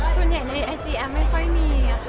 ส่วนยักษณ์ไม่ค่อยมี